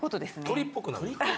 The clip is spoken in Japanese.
鳥っぽくなる？